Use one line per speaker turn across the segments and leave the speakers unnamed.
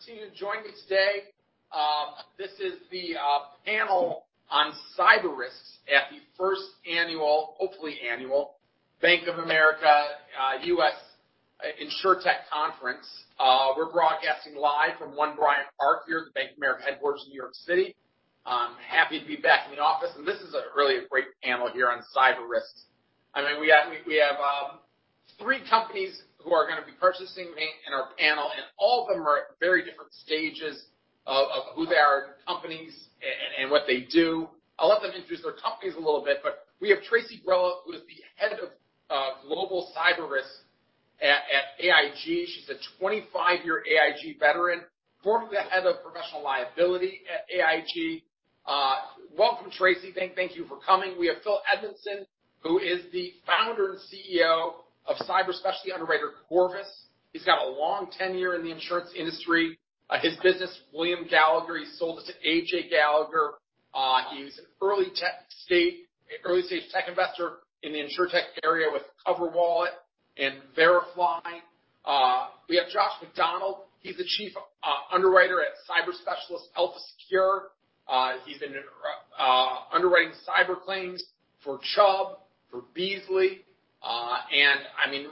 We're live. Thanks for continuing to join me today. This is the panel on cyber risks at the first annual, hopefully annual, Bank of America U.S. Insurtech Conference. We're broadcasting live from One Bryant Park here at the Bank of America headquarters in New York City. I'm happy to be back in the office, and this is a really great panel here on cyber risks. We have three companies who are going to be participating in our panel, and all of them are at very different stages of who they are as companies and what they do. I'll let them introduce their companies a little bit, but we have Tracie Grella, who is the Global Head of Cyber Risk at AIG. She's a 25-year AIG veteran, formerly the head of professional liability at AIG. Welcome, Tracie. Thank you for coming. We have Phil Edmundson, who is the founder and CEO of cyber specialty underwriter, Corvus. He's got a long tenure in the insurance industry. His business, William Gallagher. He sold it to AJ Gallagher. He's an early-stage tech investor in the Insurtech area with CoverWallet and Verifly. We have Josh MacDonald. He's the chief underwriter at cyber specialist Elpha Secure. He's been underwriting cyber claims for Chubb, for Beazley.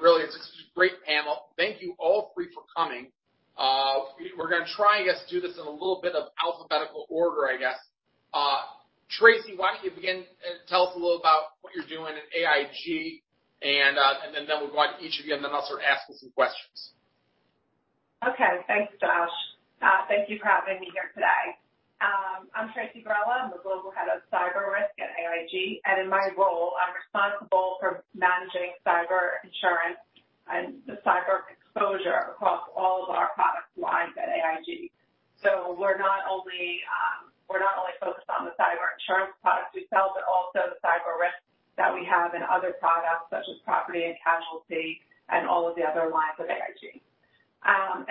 Really, it's a great panel. Thank you all three for coming. We're going to try, I guess, to do this in a little bit of alphabetical order, I guess. Tracie, why don't you begin and tell us a little about what you're doing at AIG, and then we'll go on to each of you, and then I'll start asking some questions.
Okay. Thanks, Josh. Thank you for having me here today. I'm Tracie Grella. I'm the Global Head of Cyber Risk at AIG, and in my role, I'm responsible for managing cyber insurance and the cyber exposure across all of our product lines at AIG. We're not only focused on the cyber insurance products we sell, but also the cyber risk that we have in other products such as property and casualty and all of the other lines of AIG.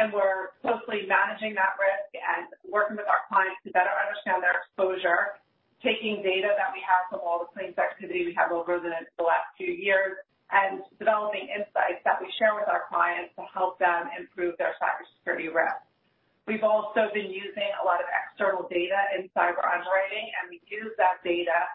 We're closely managing that risk and working with our clients to better understand their exposure, taking data that we have from all the claims activity we have over the last few years, and developing insights that we share with our clients to help them improve their cybersecurity risk. We've also been using a lot of external data in cyber underwriting. We use that data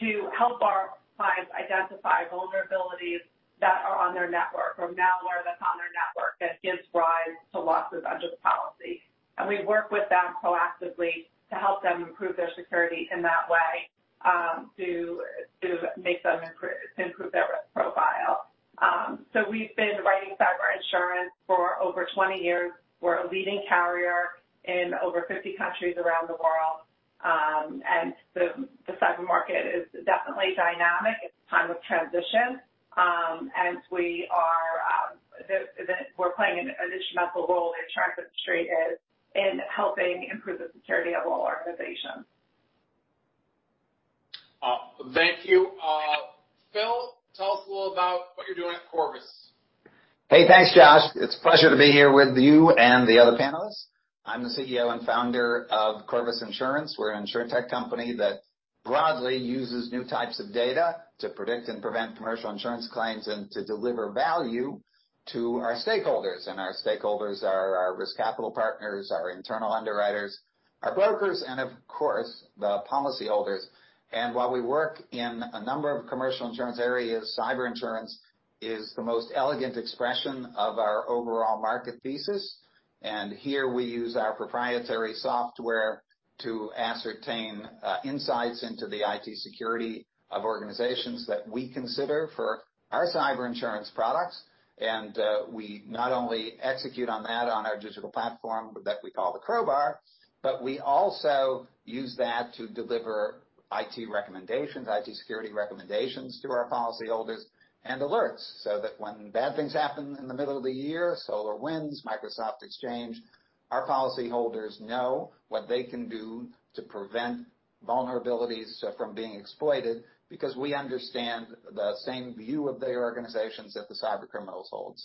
to help our clients identify vulnerabilities that are on their network or malware that's on their network that gives rise to losses under the policy. We work with them proactively to help them improve their security in that way, to improve their risk profile. We've been writing cyber insurance for over 20 years. We're a leading carrier in over 50 countries around the world. The cyber market is definitely dynamic. It's a time of transition. We're playing an instrumental role, the insurance industry is, in helping improve the security of all organizations.
Thank you. Phil, tell us a little about what you're doing at Corvus.
Hey, thanks, Josh. It's a pleasure to be here with you and the other panelists. I'm the CEO and founder of Corvus Insurance. We're an Insurtech company that broadly uses new types of data to predict and prevent commercial insurance claims and to deliver value to our stakeholders. Our stakeholders are our risk capital partners, our internal underwriters, our brokers, and of course, the policyholders. While we work in a number of commercial insurance areas, cyber insurance is the most elegant expression of our overall market thesis. Here we use our proprietary software to ascertain insights into the IT security of organizations that we consider for our cyber insurance products. We not only execute on that on our digital platform that we call the CrowBar, but we also use that to deliver IT recommendations, IT security recommendations to our policyholders and alerts, so that when bad things happen in the middle of the year, SolarWinds, Microsoft Exchange, our policyholders know what they can do to prevent vulnerabilities from being exploited because we understand the same view of their organizations that the cybercriminals hold.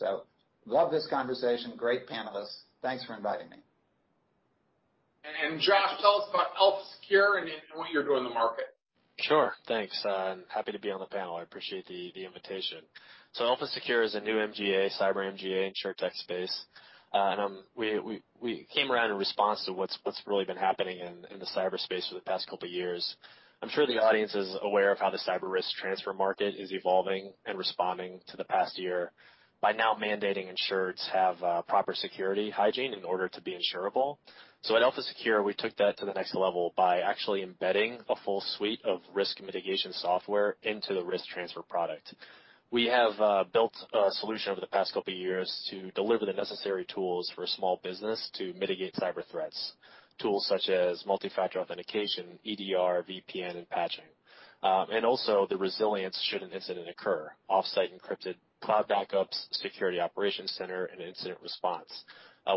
Love this conversation. Great panelists. Thanks for inviting me.
Josh, tell us about Elpha Secure and what you're doing in the market.
Sure. Thanks. Happy to be on the panel. I appreciate the invitation. ElphaSecure is a new MGA, cyber Insurtech space. We came around in response to what's really been happening in the cyber space for the past couple of years. I'm sure the audience is aware of how the cyber risk transfer market is evolving and responding to the past year by now mandating insureds have proper security hygiene in order to be insurable. At ElphaSecure, we took that to the next level by actually embedding a full suite of risk mitigation software into the risk transfer product. We have built a solution over the past couple of years to deliver the necessary tools for a small business to mitigate cyber threats. Tools such as multi-factor authentication, EDR, VPN, and patching. Also the resilience should an incident occur. Off-site encrypted cloud backups, security operations center, and incident response.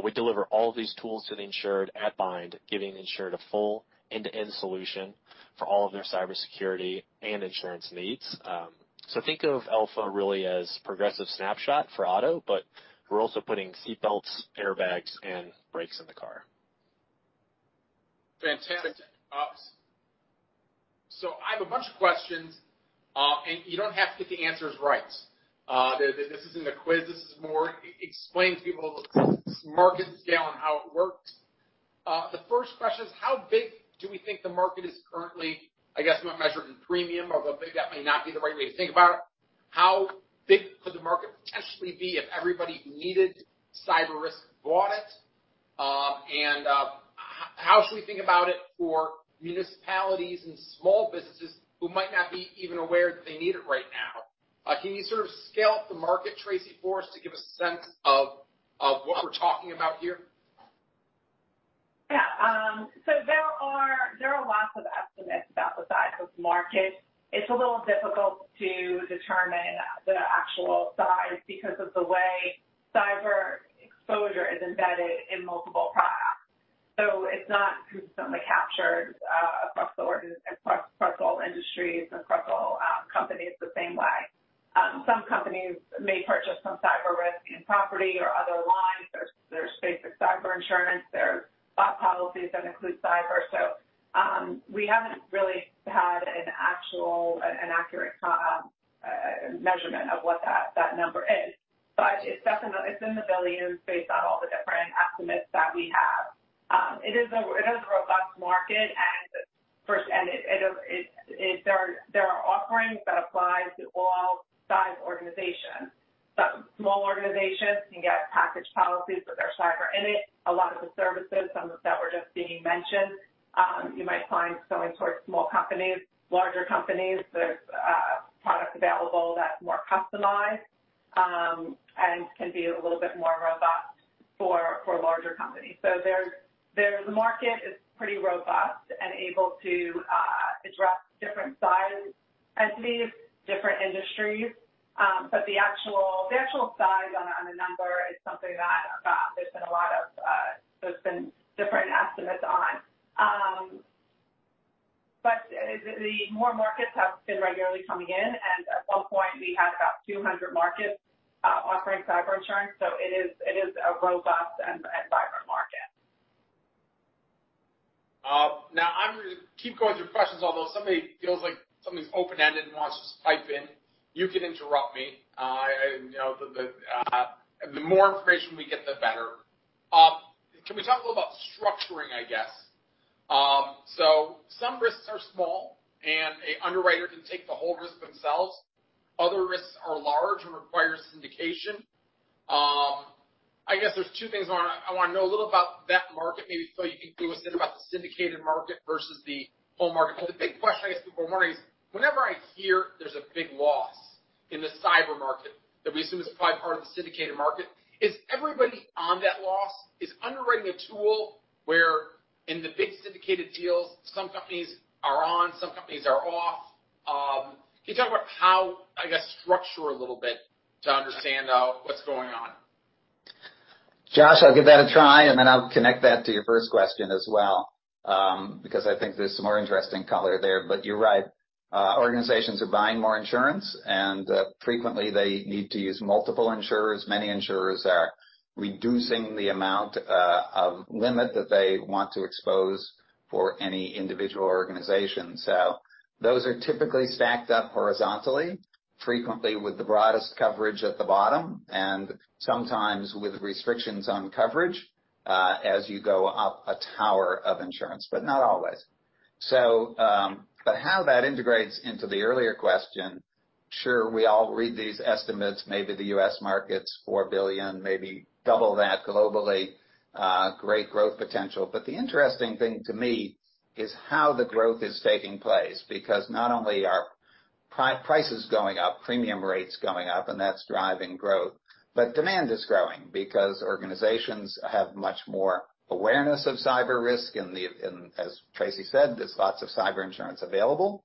We deliver all of these tools to the insured at bind, giving the insured a full end-to-end solution for all of their cybersecurity and insurance needs. Think of Elpha really as Progressive Snapshot for auto, but we're also putting seat belts, airbags, and brakes in the car.
Fantastic. I have a bunch of questions, and you don't have to get the answers right. This isn't a quiz. This is more explain to people the market scale and how it works. The first question is how big do we think the market is currently? I guess measured in premium, although that may not be the right way to think about it. How big could the market potentially be if everybody who needed cyber risk bought it? How should we think about it for municipalities and small businesses who might not be even aware that they need it right now? Can you sort of scale up the market, Tracie, for us to give a sense of what we're talking about here?
Yeah. There are lots of estimates about the size of this market. It's a little difficult to determine the actual size because of the way cyber exposure is embedded in multiple products. It's not consistently captured across all industries and across all companies the same way. Some companies may purchase some cyber risk in property or other lines. There's basic cyber insurance. There's BOP policies that include cyber. We haven't really had an accurate measurement of what that number is. But it's in the billions based on all the different estimates that we have. It is a robust market, and there are offerings that apply to all size organizations. Small organizations can get package policies with their cyber in it. A lot of the services, some that were just being mentioned, you might find going towards small companies. Larger companies, there's products available that's more customized, and can be a little bit more robust for larger companies. The market is pretty robust and able to address different size entities, different industries. The actual size on the number is something that there's been different estimates on. More markets have been regularly coming in, and at one point we had about 200 markets offering cyber insurance. It is a robust and vibrant market.
I'm going to keep going through questions, although if somebody feels like something's open-ended and wants to just pipe in, you can interrupt me. The more information we get, the better. Can we talk a little about structuring, I guess? Some risks are small, and a underwriter can take the whole risk themselves. Other risks are large and require syndication. I guess there's two things I want to know a little about that market. Maybe, Phil, you can give us a bit about the syndicated market versus the whole market. The big question I guess people are wondering is, whenever I hear there's a big loss in the cyber market that we assume is probably part of the syndicated market, is everybody on that loss? Is underwriting a tool where in the big syndicated deals, some companies are on, some companies are off? Can you talk about how, I guess, structure a little bit to understand what's going on?
Josh, I'll give that a try, and then I'll connect that to your first question as well, because I think there's some more interesting color there. You're right. Organizations are buying more insurance, and frequently they need to use multiple insurers. Many insurers are reducing the amount of limit that they want to expose for any individual organization. Those are typically stacked up horizontally, frequently with the broadest coverage at the bottom, and sometimes with restrictions on coverage as you go up a tower of insurance, but not always. How that integrates into the earlier question, sure, we all read these estimates, maybe the U.S. market's $4 billion, maybe double that globally. Great growth potential. The interesting thing to me is how the growth is taking place. Not only are prices going up, premium rates going up, that's driving growth, but demand is growing because organizations have much more awareness of cyber risk, and as Tracie said, there's lots of cyber insurance available.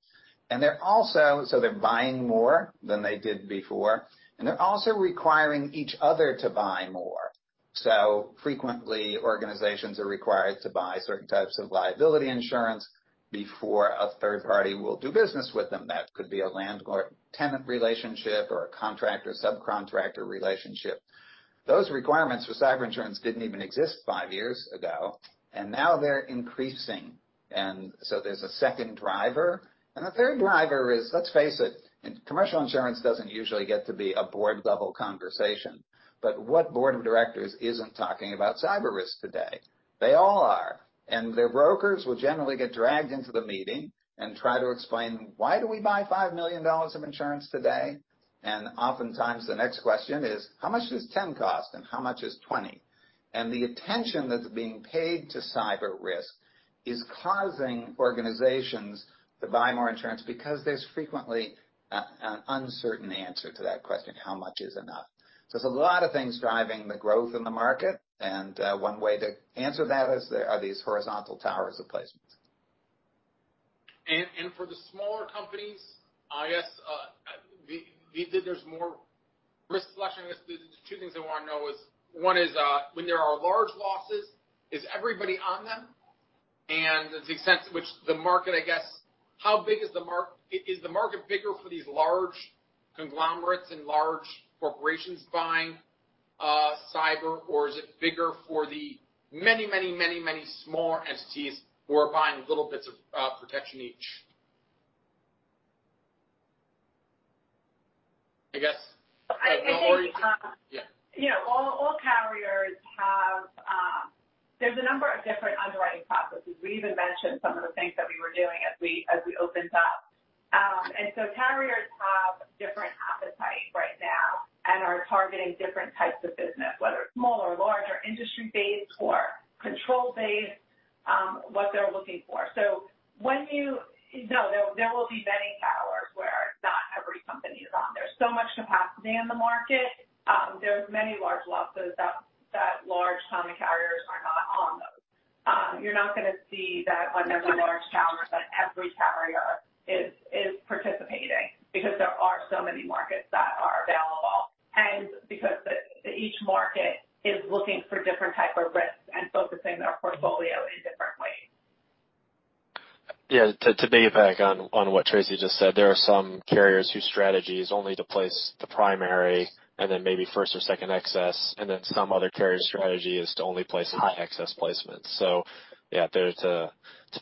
They're buying more than they did before, and they're also requiring each other to buy more. Frequently, organizations are required to buy certain types of liability insurance before a third party will do business with them. That could be a landlord-tenant relationship or a contractor-subcontractor relationship. Those requirements for cyber insurance didn't even exist five years ago, and now they're increasing. There's a second driver. The third driver is, let's face it, commercial insurance doesn't usually get to be a board-level conversation. What board of directors isn't talking about cyber risk today? They all are. Their brokers will generally get dragged into the meeting and try to explain why do we buy $5 million of insurance today? Oftentimes the next question is, "How much does 10 cost, and how much is 20?" The attention that's being paid to cyber risk is causing organizations to buy more insurance because there's frequently an uncertain answer to that question, how much is enough? It's a lot of things driving the growth in the market, and one way to answer that are these horizontal towers of placement.
For the smaller companies, I guess there's more risk selection. Two things I want to know is, one is when there are large losses, is everybody on them? To the extent to which the market, I guess, is the market bigger for these large conglomerates and large corporations buying cyber or is it bigger for the many small entities who are buying little bits of protection each?
All carriers have. There's a number of different underwriting processes. We even mentioned some of the things that we were doing as we opened up. Carriers have different appetites right now and are targeting different types of business, whether it's small or large, or industry-based or control-based, what they're looking for. There will be many towers where not every company is on. There's so much capacity in the market. There's many large losses that large incumbent carriers are not on those. You're not going to see that when there's a large tower, that every carrier is participating, because there are so many markets that are available, and because each market is looking for different type of risks and focusing their portfolio in different ways.
Yeah. To piggyback on what Tracie just said, there are some carriers whose strategy is only to place the primary and then maybe first or second excess, and then some other carriers' strategy is to only place high excess placements. Yeah, to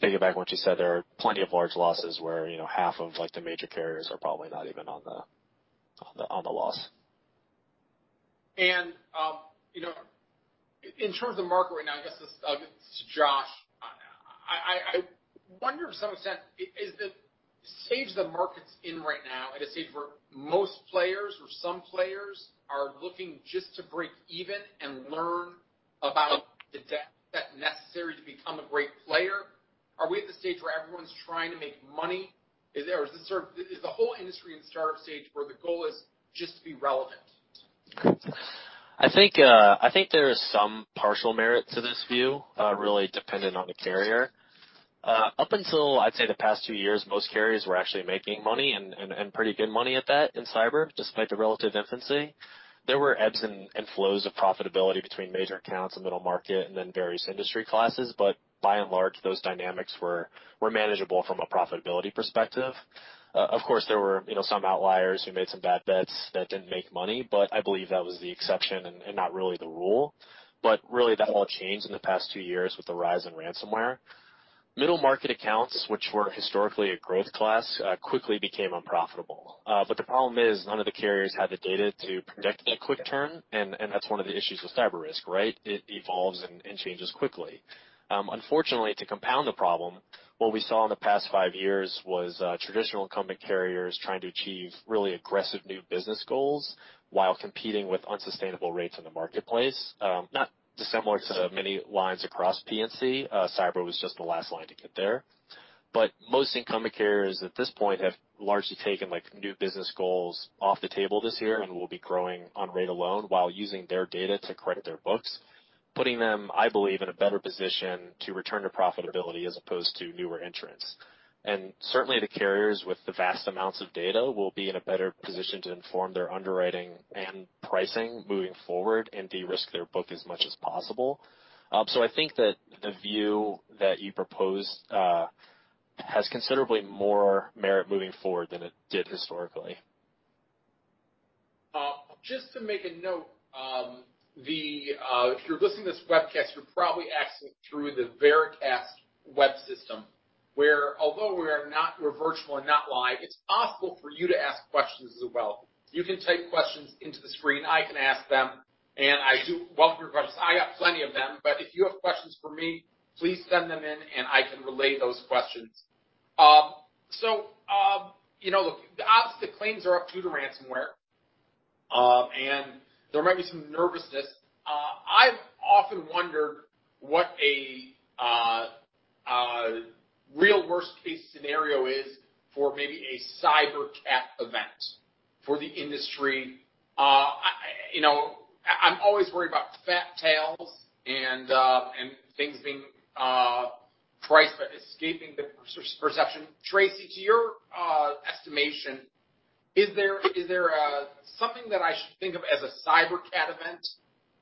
piggyback what you said, there are plenty of large losses where half of the major carriers are probably not even on the loss.
In terms of market right now, I guess this is to Josh. I wonder to some extent, is the stage the market's in right now at a stage where most players or some players are looking just to break even and learn about the depth that's necessary to become a great player? Are we at the stage where everyone's trying to make money? Is the whole industry in startup stage where the goal is just to be relevant?
I think there is some partial merit to this view, really dependent on the carrier. Up until, I'd say, the past two years, most carriers were actually making money, and pretty good money at that in cyber, despite the relative infancy. There were ebbs and flows of profitability between major accounts and middle market and then various industry classes. By and large, those dynamics were manageable from a profitability perspective. Of course, there were some outliers who made some bad bets that didn't make money, but I believe that was the exception and not really the rule. Really, that all changed in the past two years with the rise in ransomware. Middle market accounts, which were historically a growth class, quickly became unprofitable. The problem is, none of the carriers had the data to predict that quick turn, and that's one of the issues with cyber risk, right? It evolves and changes quickly. Unfortunately, to compound the problem, what we saw in the past five years was traditional incumbent carriers trying to achieve really aggressive new business goals while competing with unsustainable rates in the marketplace. Not dissimilar to many lines across P&C, cyber was just the last line to get there. Most incumbent carriers at this point have largely taken new business goals off the table this year and will be growing on rate alone while using their data to credit their books, putting them, I believe, in a better position to return to profitability as opposed to newer entrants. Certainly, the carriers with the vast amounts of data will be in a better position to inform their underwriting and pricing moving forward and de-risk their book as much as possible. I think that the view that you proposed has considerably more merit moving forward than it did historically.
Just to make a note, if you're listening to this webcast, you're probably accessing through the Veracast web system, where although we're virtual and not live, it's possible for you to ask questions as well. You can type questions into the screen. I can ask them, I do welcome your questions. I got plenty of them, but if you have questions for me, please send them in and I can relay those questions. The opposite claims are up due to ransomware. There might be some nervousness. I've often wondered what a real worst-case scenario is for maybe a cyber CAT event for the industry. I'm always worried about fat tails and things being priced, but escaping the perception. Tracie, to your estimation, is there something that I should think of as a cyber CAT event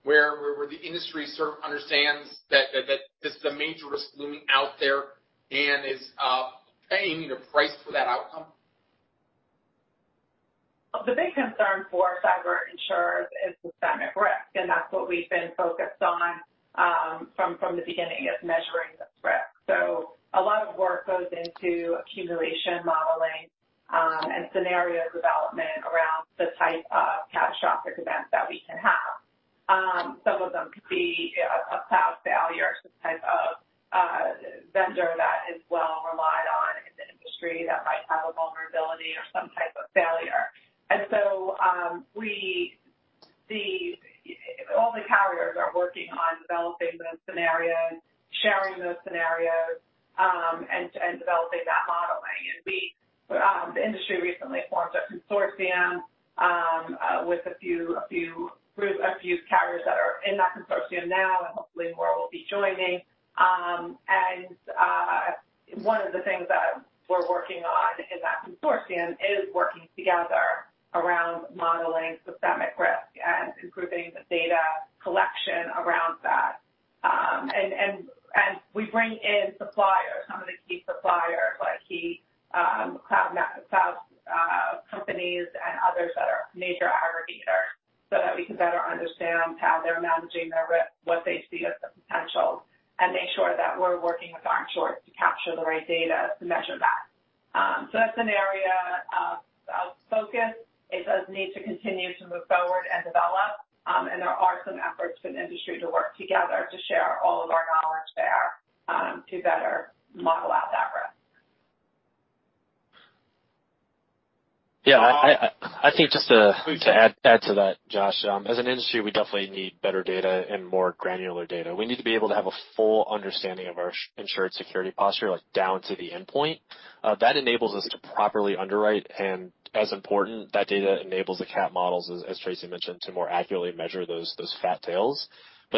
where the industry understands that this is a major risk looming out there and is paying a price for that outcome?
The big concern for cyber insurers is systemic risk, that's what we've been focused on from the beginning, is measuring the risk. A lot of work goes into accumulation modeling, and scenario development around the type of catastrophic events that we can have. Some of them could be a cloud failure,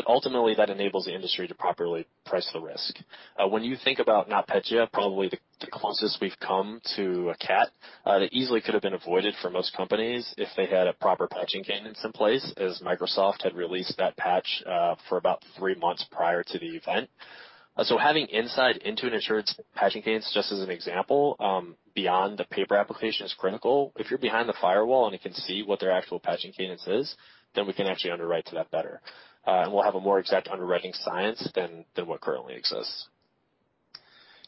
Ultimately, that enables the industry to properly price the risk. When you think about NotPetya, probably the closest we've come to a CAT, that easily could've been avoided for most companies if they had a proper patching cadence in place, as Microsoft had released that patch for about three months prior to the event. Having insight into an insured's patching cadence, just as an example, beyond the paper application, is critical. If you're behind the firewall and it can see what their actual patching cadence is, then we can actually underwrite to that better. We'll have a more exact underwriting science than what currently exists.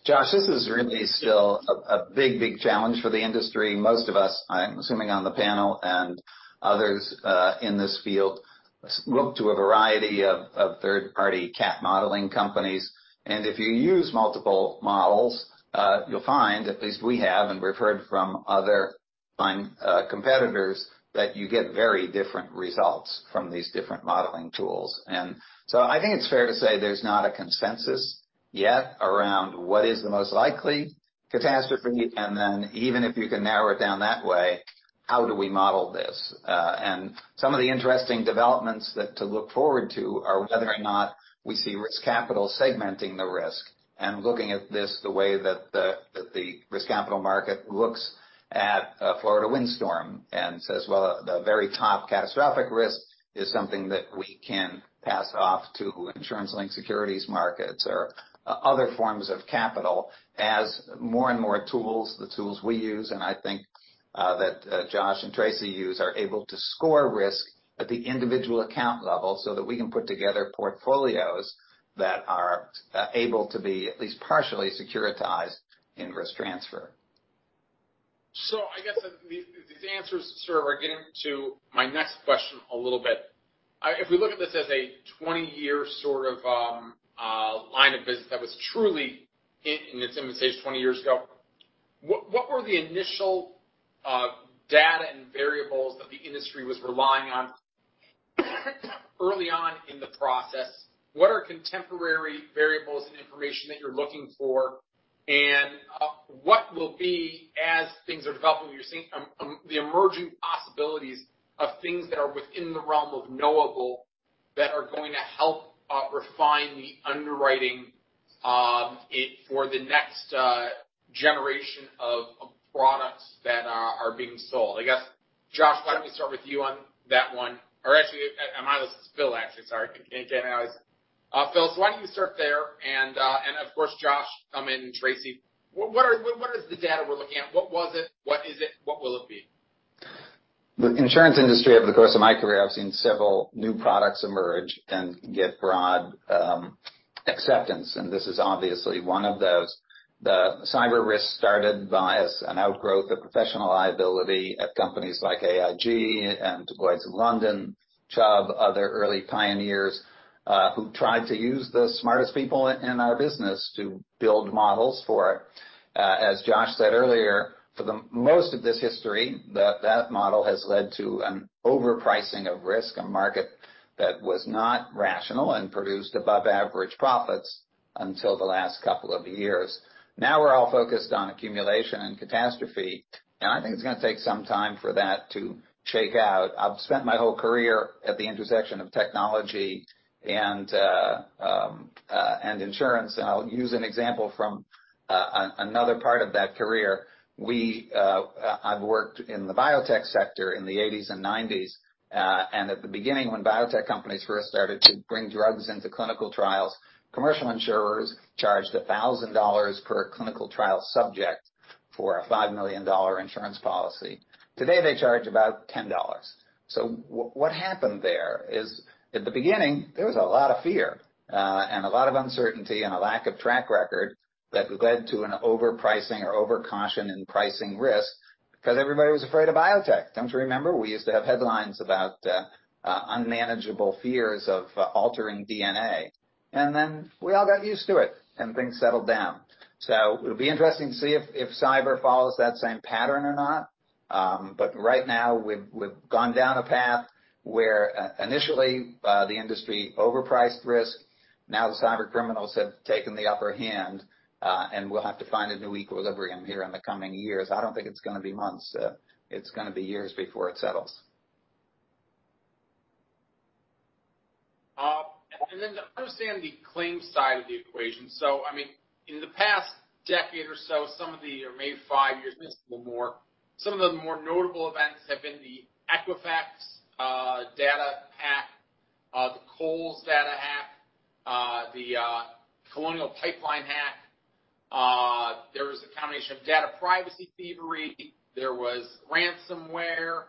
Josh, this is really still a big challenge for the industry. Most of us, I'm assuming on the panel, and others in this field, look to a variety of third-party CAT modeling companies. If you use multiple models, you'll find, at least we have, and we've heard from other competitors, that you get very different results from these different modeling tools. I think it's fair to say there's not a consensus yet around what is the most likely catastrophe. Even if you can narrow it down that way, how do we model this? Some of the interesting developments to look forward to are whether or not we see risk capital segmenting the risk and looking at this the way that the risk capital market looks at a Florida windstorm and says, "Well, the very top catastrophic risk is something that we can pass off to insurance-linked securities markets or other forms of capital," as more and more tools, the tools we use, and I think that Josh and Tracie use, are able to score risk at the individual account level so that we can put together portfolios that are able to be at least partially securitized in risk transfer.
I guess these answers sort of are getting to my next question a little bit. If we look at this as a 20-year sort of line of business that was truly in its infancy 20 years ago, what were the initial data and variables that the industry was relying on early on in the process? What are contemporary variables and information that you're looking for, and what will be, as things are developing, the emerging possibilities of things that are within the realm of knowable that are going to help refine the underwriting for the next generation of products that are being sold? I guess, Josh, why don't we start with you on that one? Or actually, Phil, actually. Sorry. Phil, why don't you start there, and, of course, Josh come in, and Tracie. What is the data we're looking at? What was it? What is it? What will it be?
The insurance industry, over the course of my career, I've seen several new products emerge and get broad acceptance, and this is obviously one of those. The cyber risk started as an outgrowth of professional liability at companies like AIG and Lloyd's of London, Chubb, other early pioneers who tried to use the smartest people in our business to build models for it. As Josh said earlier, for the most of this history, that model has led to an overpricing of risk, a market that was not rational and produced above-average profits until the last couple of years. We're all focused on accumulation and catastrophe. I think it's going to take some time for that to shake out. I've spent my whole career at the intersection of technology and insurance, and I'll use an example from another part of that career. I've worked in the biotech sector in the '80s and '90s. At the beginning, when biotech companies first started to bring drugs into clinical trials, commercial insurers charged $1,000 per clinical trial subject for a $5 million insurance policy. Today, they charge about $10. What happened there is at the beginning, there was a lot of fear and a lot of uncertainty and a lack of track record that led to an overpricing or overcaution in pricing risk because everybody was afraid of biotech. Don't you remember? We used to have headlines about unmanageable fears of altering DNA. Then we all got used to it, and things settled down. It'll be interesting to see if cyber follows that same pattern or not. Right now, we've gone down a path where initially, the industry overpriced risk. Now the cybercriminals have taken the upper hand, we'll have to find a new equilibrium here in the coming years. I don't think it's going to be months. It's going to be years before it settles.
Then to understand the claims side of the equation. In the past decade or so, or maybe five years, maybe some more, some of the more notable events have been the Equifax data hack, the Kohl's data hack, the Colonial Pipeline hack. There was a combination of data privacy thievery. There was ransomware.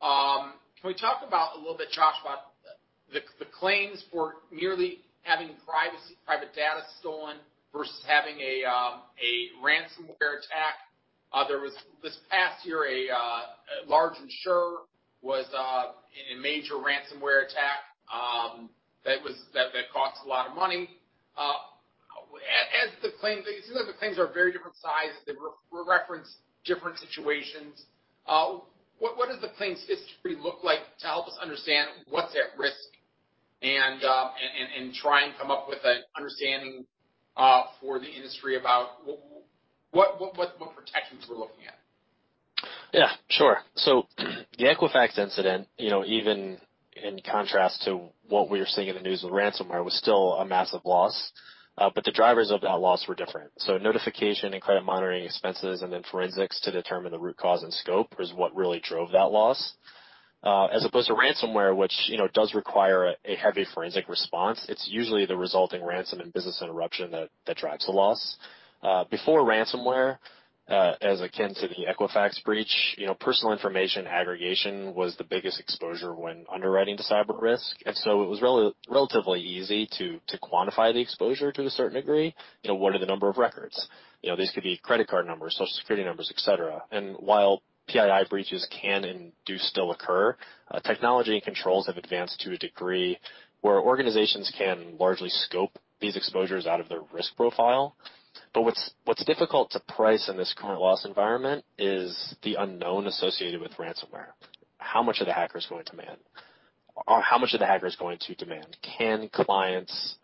Can we talk about a little bit, Josh, about the claims for merely having private data stolen versus having a ransomware attack? There was, this past year, a large insurer was in a major ransomware attack that cost a lot of money. Some of the claims are very different size. They reference different situations. What does the claims history look like to help us understand what's at risk and try and come up with an understanding for the industry about what protections we're looking at?
Yeah, sure. The Equifax incident, even in contrast to what we were seeing in the news with ransomware, was still a massive loss. The drivers of that loss were different. Notification and credit monitoring expenses and then forensics to determine the root cause and scope is what really drove that loss. As opposed to ransomware, which does require a heavy forensic response. It's usually the resulting ransom and business interruption that drives the loss. Before ransomware, as akin to the Equifax breach, personal information aggregation was the biggest exposure when underwriting to cyber risk. It was relatively easy to quantify the exposure to a certain degree. What are the number of records? These could be credit card numbers, Social Security numbers, et cetera. While PII breaches can and do still occur, technology and controls have advanced to a degree where organizations can largely scope these exposures out of their risk profile. What's difficult to price in this current loss environment is the unknown associated with ransomware. How much are the hackers going to demand? Can clients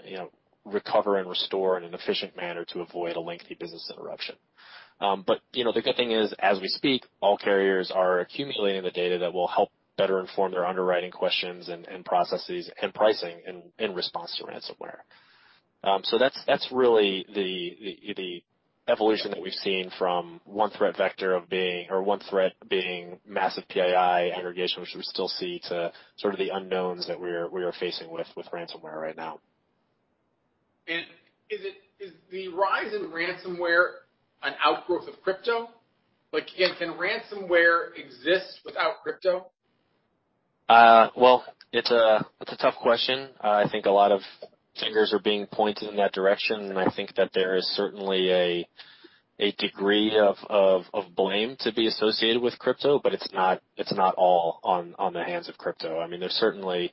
recover and restore in an efficient manner to avoid a lengthy business interruption? The good thing is, as we speak, all carriers are accumulating the data that will help better inform their underwriting questions and processes and pricing in response to ransomware. That's really the evolution that we've seen from one threat being massive PII aggregation, which we still see, to sort of the unknowns that we're facing with ransomware right now.
Is the rise in ransomware an outgrowth of crypto? Can ransomware exist without crypto?
Well, it's a tough question. I think a lot of fingers are being pointed in that direction, and I think that there is certainly a degree of blame to be associated with crypto, but it's not all on the hands of crypto. There's certainly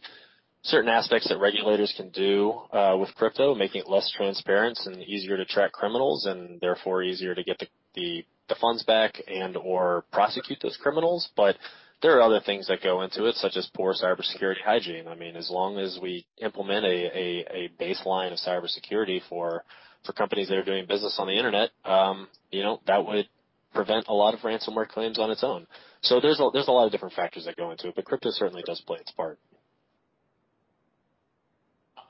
certain aspects that regulators can do with crypto, making it less transparent and easier to track criminals and therefore easier to get the funds back and/or prosecute those criminals. There are other things that go into it, such as poor cybersecurity hygiene. As long as we implement a baseline of cybersecurity for companies that are doing business on the Internet, that would prevent a lot of ransomware claims on its own. There's a lot of different factors that go into it, but crypto certainly does play its part.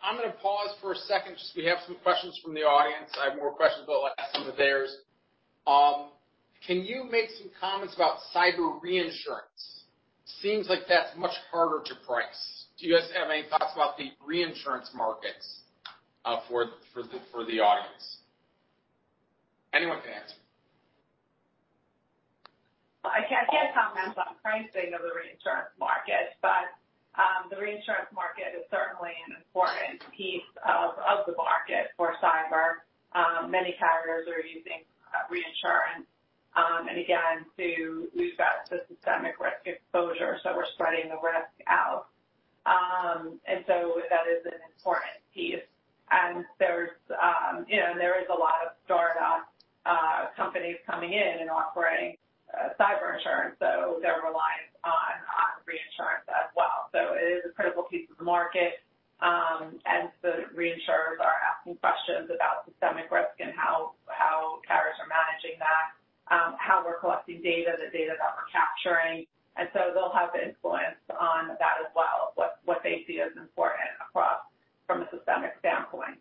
I'm gonna pause for a second, just we have some questions from the audience. I have more questions, but I'll ask some of theirs. Can you make some comments about cyber reinsurance? Seems like that's much harder to price. Do you guys have any thoughts about the reinsurance markets for the audience? Anyone can answer.
I can't comment on pricing of the reinsurance market, the reinsurance market is certainly an important piece of the market for cyber. Many carriers are using reinsurance, again, to reduce that systemic risk exposure, so we're spreading the risk out. That is an important piece. There is a lot of startup companies coming in and offering cyber insurance, so they're reliant on reinsurance as well. It is a critical piece of the market. The reinsurers are asking questions about systemic risk and how carriers are managing that, how we're collecting data, the data that we're capturing. They'll have the influence on that as well, what they see as important from a systemic standpoint.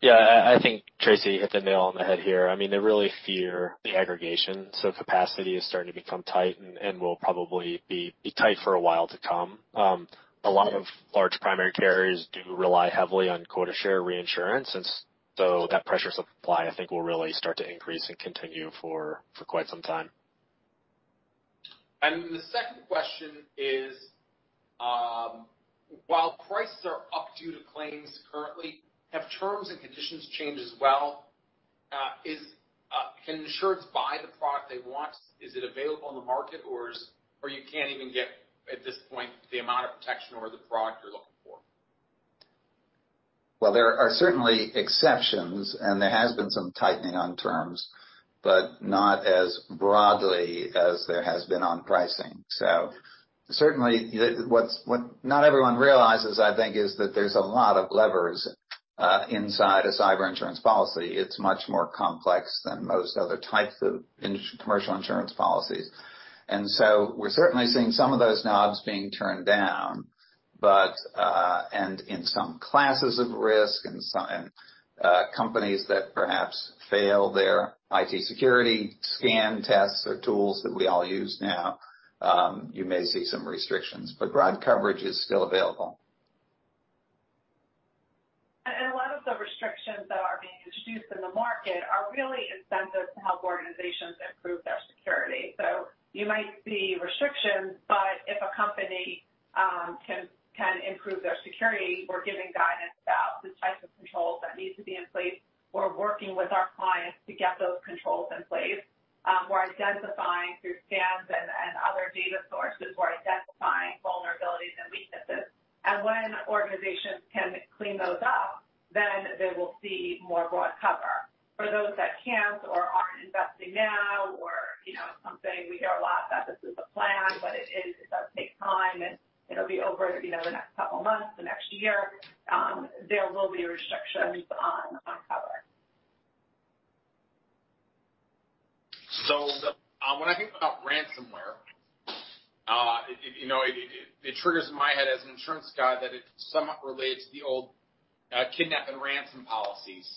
Yeah, I think Tracie hit the nail on the head here. They really fear the aggregation. Capacity is starting to become tight and will probably be tight for a while to come. A lot of large primary carriers do rely heavily on quota share reinsurance. That pressure supply, I think, will really start to increase and continue for quite some time.
The second question is: while prices are up due to claims currently, have terms and conditions changed as well? Can insurers buy the product they want? Is it available on the market or you can't even get, at this point, the amount of protection or the product you're looking for?
Well, there are certainly exceptions, there has been some tightening on terms, not as broadly as there has been on pricing. Certainly, what not everyone realizes, I think, is that there's a lot of levers inside a cyber insurance policy. It's much more complex than most other types of commercial insurance policies. We're certainly seeing some of those knobs being turned down in some classes of risk and companies that perhaps fail their IT security scan tests or tools that we all use now, you may see some restrictions, but broad coverage is still available.
A lot of the restrictions that are being introduced in the market are really incentives to help organizations improve their security. You might see restrictions, but if a company can improve their security, we're giving guidance about the type of controls that need to be in place. We're working with our clients to get those controls in place. We're identifying through scans and other data sources, we're identifying vulnerabilities and weaknesses. When organizations can clean those up, then they will see more broad cover. For those that can't or aren't investing now or something, we hear a lot that this is a plan, but it does take time, and it'll be over the next couple of months, the next year. There will be restrictions on cover.
When I think about ransomware, it triggers in my head as an insurance guy that it somewhat relates to the old kidnap and ransom policies.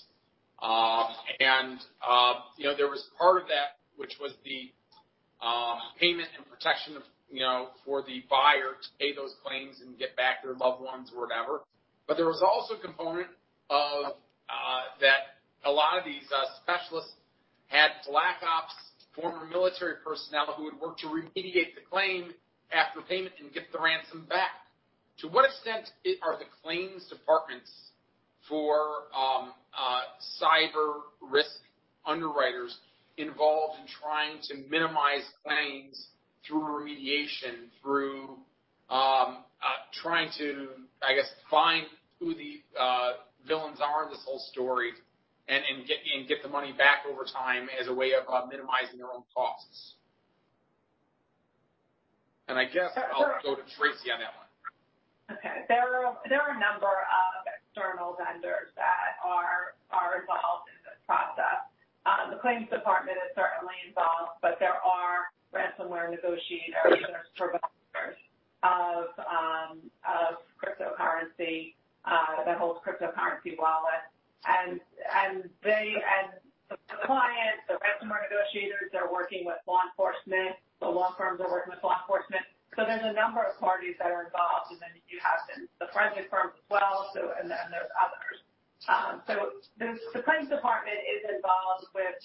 There was part of that which was the payment and protection for the buyer to pay those claims and get back their loved ones or whatever. There was also a component of that a lot of these specialists had black ops, former military personnel who would work to remediate the claim after payment and get the ransom back. To what extent are the claims departments for cyber risk underwriters involved in trying to minimize claims through remediation, through trying to, I guess, find who the villains are in this whole story and get the money back over time as a way of minimizing their own costs? I guess I'll go to Tracie on that one.
Okay. There are a number of external vendors that are involved in this process. The claims department is certainly involved, but there are ransomware negotiators or providers of cryptocurrency, that holds cryptocurrency wallets. The clients, the ransomware negotiators are working with law enforcement. The law firms are working with law enforcement. There's a number of parties that are involved, and then you have the forensic firms as well, and then there's others. The claims department is involved with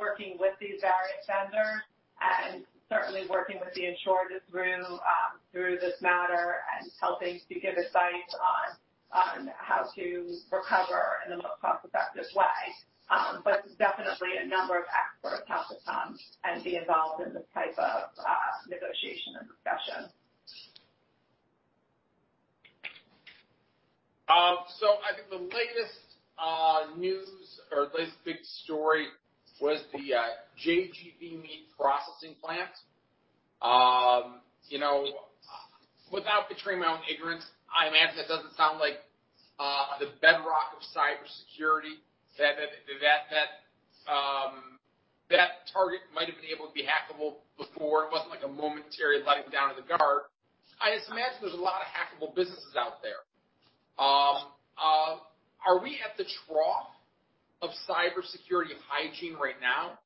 working with these various vendors and certainly working with the insured through this matter and helping to give advice on how to recover in the most cost-effective way. Definitely a number of experts have to come and be involved in this type of negotiation and discussion.
I think the latest news or latest big story was the JBS meat processing plant. Without betraying my own ignorance, I imagine it doesn't sound like the bedrock of cybersecurity, that target might have been able to be hackable before. It wasn't like a momentary letting down of the guard. I just imagine there's a lot of hackable businesses out there. Are we at the trough of cybersecurity hygiene right now?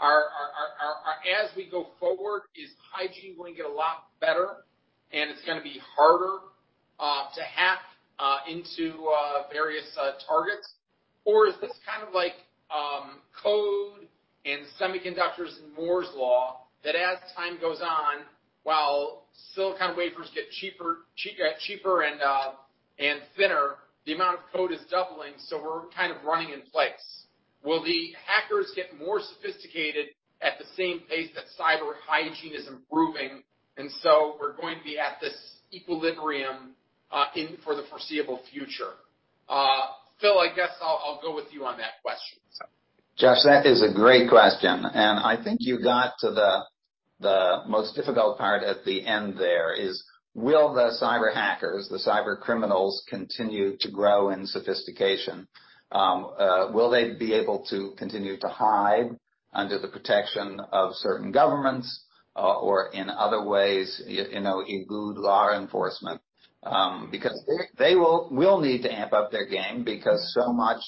As we go forward, is hygiene going to get a lot better and it's going to be harder to hack into various targets? Or is this kind of like code and semiconductors and Moore's law, that as time goes on, while silicon wafers get cheaper and thinner, the amount of code is doubling, so we're kind of running in place? Will the hackers get more sophisticated at the same pace that cyber hygiene is improving, we're going to be at this equilibrium for the foreseeable future? Phil, I guess I'll go with you on that question.
Josh, that is a great question, I think you got to the most difficult part at the end there is, will the cyber hackers, the cyber criminals, continue to grow in sophistication? Will they be able to continue to hide under the protection of certain governments or in other ways elude law enforcement? They will need to amp up their game because so much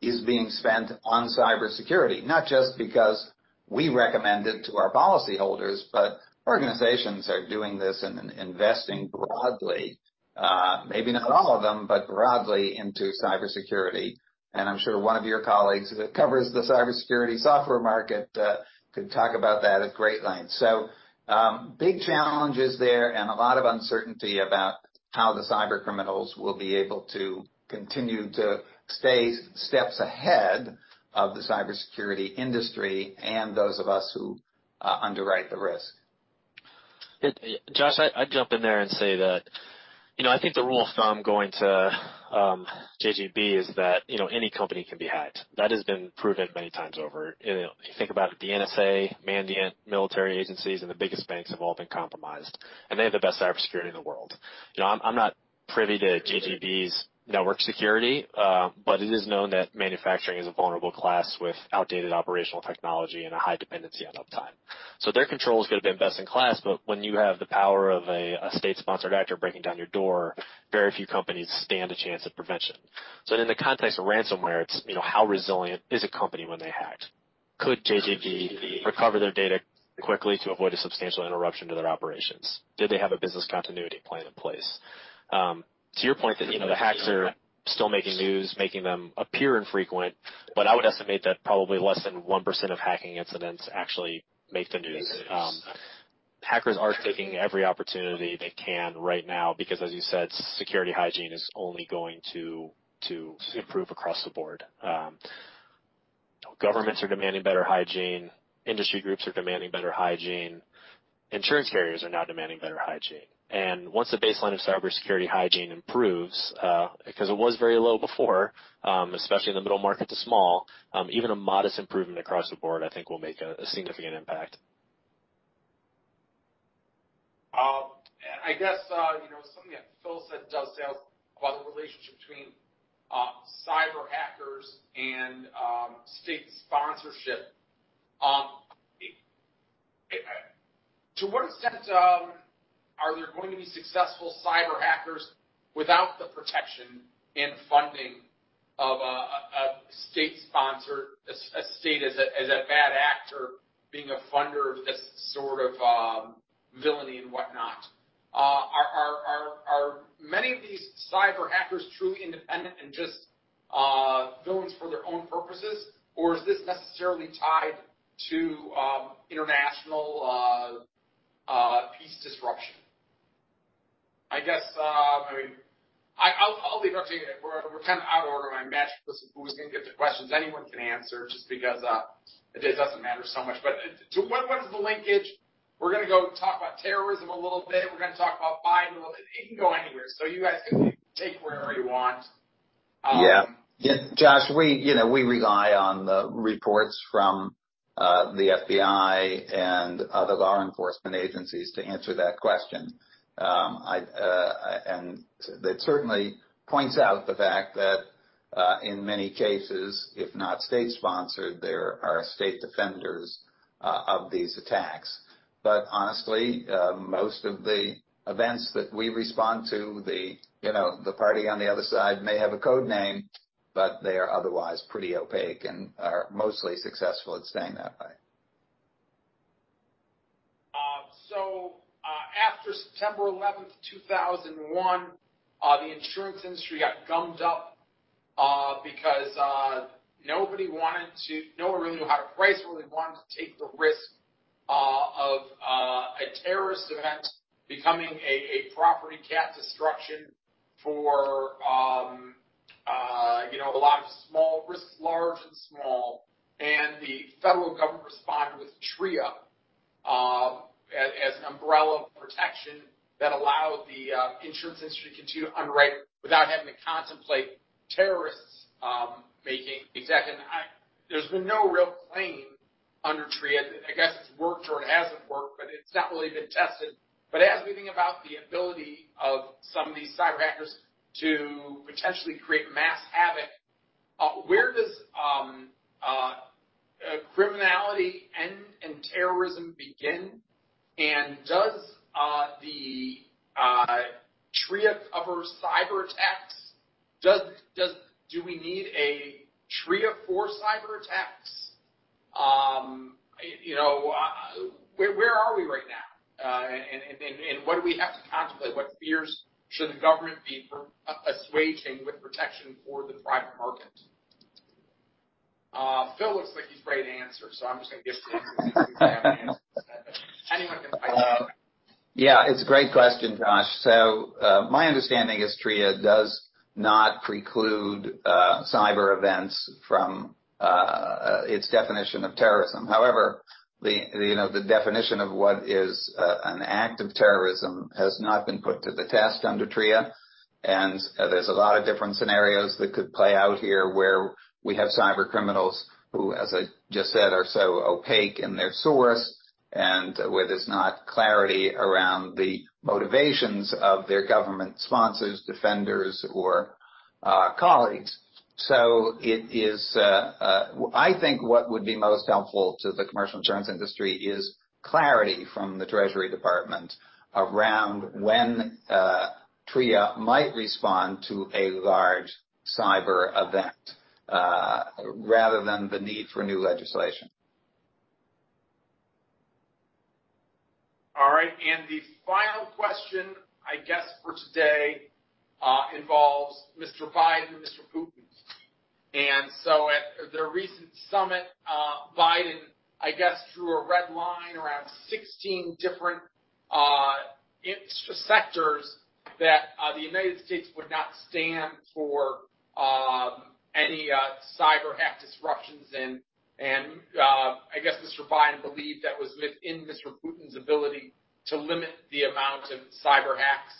is being spent on cybersecurity. Not just because we recommend it to our policyholders, but organizations are doing this and investing broadly, maybe not all of them, but broadly into cybersecurity. I'm sure one of your colleagues that covers the cybersecurity software market could talk about that at great length. Big challenges there and a lot of uncertainty about how the cyber criminals will be able to continue to stay steps ahead of the cybersecurity industry and those of us who underwrite the risk.
Josh, I'd jump in there and say that I think the rule of thumb going to JBS is that any company can be hacked. That has been proven many times over. You think about it, the NSA, Mandiant, military agencies, and the biggest banks have all been compromised, and they have the best cybersecurity in the world. Privy to JBS's network security, it is known that manufacturing is a vulnerable class with outdated operational technology and a high dependency on uptime. Their control is going to be best in class, when you have the power of a state-sponsored actor breaking down your door, very few companies stand a chance at prevention. In the context of ransomware, it's how resilient is a company when they're hacked? Could JBS recover their data quickly to avoid a substantial interruption to their operations? Did they have a business continuity plan in place? To your point that the hacks are still making news, making them appear infrequent, but I would estimate that probably less than 1% of hacking incidents actually make the news. Hackers are taking every opportunity they can right now because, as you said, security hygiene is only going to improve across the board. Governments are demanding better hygiene. Industry groups are demanding better hygiene. Insurance carriers are now demanding better hygiene. Once the baseline of cybersecurity hygiene improves, because it was very low before, especially in the middle market to small, even a modest improvement across the board, I think will make a significant impact.
I guess, something that Phil said does sound quite a relationship between cyber hackers and state sponsorship. To what extent are there going to be successful cyber hackers without the protection and funding of a state as a bad actor being a funder of this sort of villainy and whatnot? Are many of these cyber hackers truly independent and just villains for their own purposes, or is this necessarily tied to international peace disruption? I guess, I'll leave it up to you. We're kind of out of order. I matched who was going to get the questions. Anyone can answer just because it doesn't matter so much. What is the linkage? We're going to go talk about terrorism a little bit. We're going to talk about Biden a little bit. It can go anywhere. You guys can take wherever you want.
Yeah. Josh, we rely on the reports from the FBI and other law enforcement agencies to answer that question. That certainly points out the fact that in many cases, if not state-sponsored, there are state defenders of these attacks. Honestly, most of the events that we respond to, the party on the other side may have a code name, but they are otherwise pretty opaque and are mostly successful at staying that way.
After September 11th, 2001, the insurance industry got gummed up because no one really knew how to price it, really knew how to take the risk of a terrorist event becoming a property CAT destruction for a lot of small risks, large and small, and the federal government responded with TRIA as an umbrella of protection that allowed the insurance industry to continue to underwrite without having to contemplate. There's been no real claim under TRIA. I guess it's worked or it hasn't worked, but it's not really been tested. As we think about the ability of some of these cyber hackers to potentially create mass havoc, where does criminality end and terrorism begin? Does the TRIA cover cyber attacks? Do we need a TRIA for cyber attacks? Where are we right now? What do we have to contemplate? What fears should the government be assuaging with protection for the private market? Phil looks like he's ready to answer, I'm just going to give it to him. Anyone can pipe in.
Yeah, it's a great question, Josh. My understanding is TRIA does not preclude cyber events from its definition of terrorism. However, the definition of what is an act of terrorism has not been put to the test under TRIA, there's a lot of different scenarios that could play out here where we have cyber criminals who, as I just said, are so opaque in their source and where there's not clarity around the motivations of their government sponsors, defenders, or colleagues. I think what would be most helpful to the commercial insurance industry is clarity from the Treasury Department around when TRIA might respond to a large cyber event, rather than the need for new legislation.
All right. The final question, I guess for today, involves Mr. Biden and Mr. Putin. At their recent summit, Biden, I guess, drew a red line around 16 different sectors that the United States would not stand for any cyber hack disruptions, I guess Mr. Biden believed that was within Mr. Putin's ability to limit the amount of cyber hacks.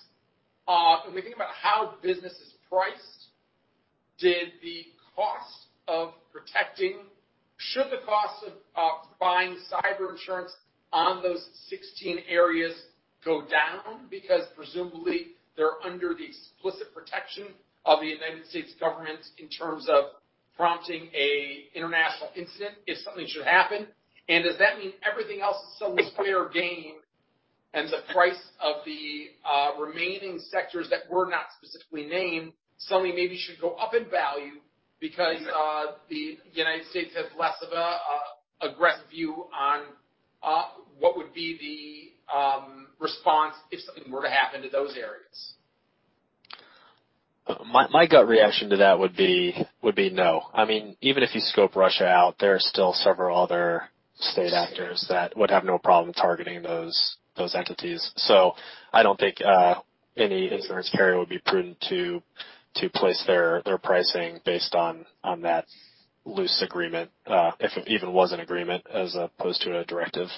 When we think about how business is priced, should the cost of buying cyber insurance on those 16 areas go down? Because presumably they're under the explicit protection of the United States government in terms of prompting an international incident if something should happen. Does that mean everything else is suddenly fair game, and the price of the remaining sectors that were not specifically named, suddenly maybe should go up in value because the United States has less of an aggressive view on what would be the response if something were to happen to those areas?
My gut reaction to that would be no. Even if you scope Russia out, there are still several other state actors that would have no problem targeting those entities. I don't think any insurance carrier would be prudent to place their pricing based on that loose agreement, if it even was an agreement as opposed to a directive.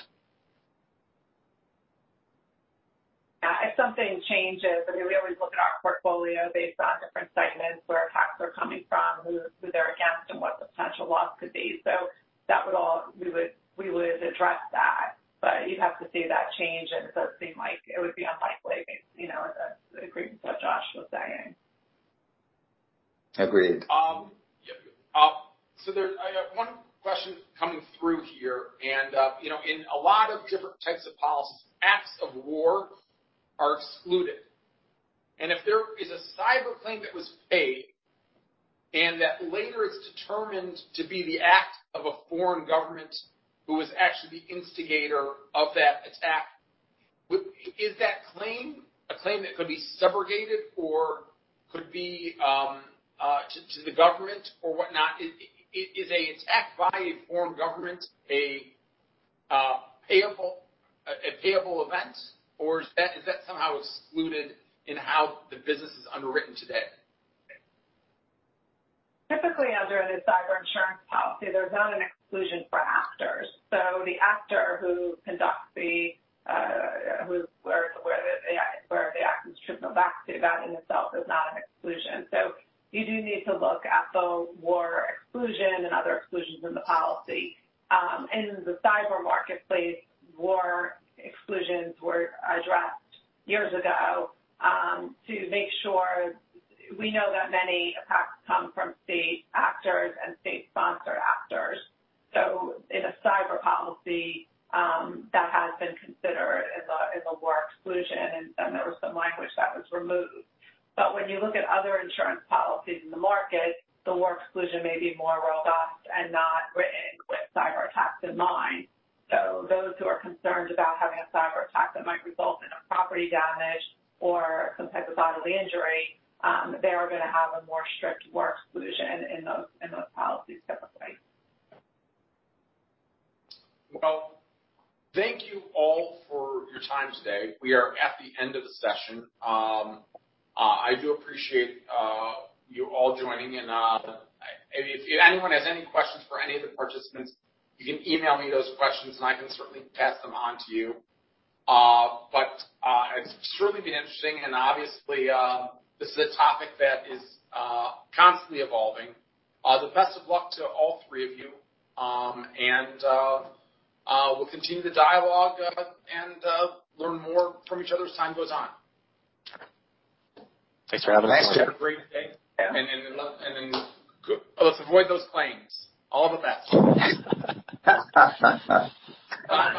If something changes, we always look at our portfolio based on different segments, where attacks are coming from, who they're against, and what the potential loss could be. We would address that. You'd have to see that change, and it does seem like it would be unlikely based, the agreement that Josh was saying.
Agreed.
I have one question coming through here. In a lot of different types of policies, acts of war are excluded. If there is a cyber claim that was paid, and that later it's determined to be the act of a foreign government who was actually the instigator of that attack, is that claim a claim that could be subrogated or could be to the government or whatnot? Is a attack by a foreign government a payable event, or is that somehow excluded in how the business is underwritten today?
Typically, under the cyber insurance policy, there's not an exclusion for actors. The actor who conducts the attack, where the actions took place, that in itself is not an exclusion. You do need to look at the war exclusion and other exclusions in the policy. In the cyber marketplace, war exclusions were addressed years ago to make sure. We know that many attacks come from state actors and state-sponsored actors. In a cyber policy, that has been considered as a war exclusion, and there was some language that was removed. When you look at other insurance policies in the market, the war exclusion may be more robust and not written with cyber attacks in mind. Those who are concerned about having a cyber attack that might result in a property damage or some type of bodily injury, they are going to have a more strict war exclusion in those policies typically.
Thank you all for your time today. We are at the end of the session. I do appreciate you all joining in. If anyone has any questions for any of the participants, you can email me those questions and I can certainly pass them on to you. It's truly been interesting, and obviously, this is a topic that is constantly evolving. The best of luck to all three of you. We'll continue the dialogue and learn more from each other as time goes on.
Thanks for having us. Thanks, Chad.
Have a great day.
Yeah.
Let's avoid those claims. All the best. Bye.